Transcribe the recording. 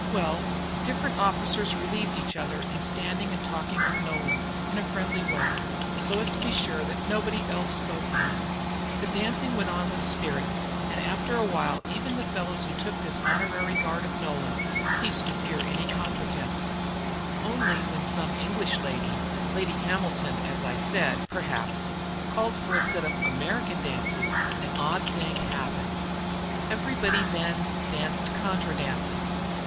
Well, different officers relieved each other in standing and talking with Nolan in a friendly way, so as to be sure that nobody else spoke to him. The dancing went on with spirit, and after a while even the fellows who took this honorary guard of Nolan ceased to fear any contretemps. Only when some English lady Lady Hamilton, as I said, perhaps called for a set of "American dances," an odd thing happened. Everybody then danced contra dances.